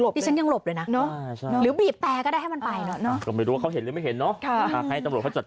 โปรดติดตามตอนต่อไป